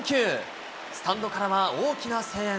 スタンドからは大きな声援。